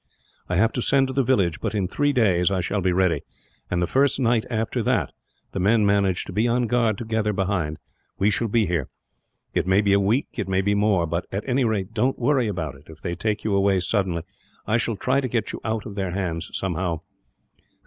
I have to send to the village; but in three days I shall be ready and, the first night after that the men manage to be on guard together behind, we shall be here. It may be a week, it may be more but, at any rate, don't worry about it if they take you away suddenly. I shall try to get you out of their hands, somehow."